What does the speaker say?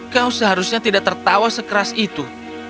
kau seharusnya tidak tertawa sekeras itu